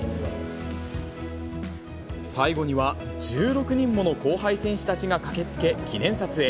最後には、１６人もの後輩選手たちが駆けつけ、記念撮影。